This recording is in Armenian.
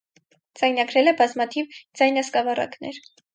Ձայնագրել է բազմաթիվ ձայնասկավառակներ։